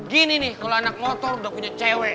gini nih kalau anak motor udah punya cewek